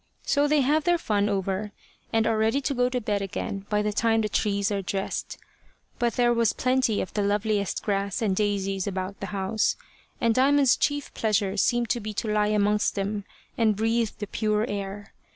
So they have their fun over, and are ready to go to bed again by the time the trees are dressed. But there was plenty of the loveliest grass and daisies about the house, and Diamond's chief pleasure seemed to be to lie amongst them, and breathe the pure air.